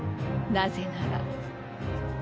「なぜなら」